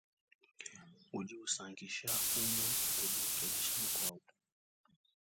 Udi usankisha, umue udikengesha mukuabu.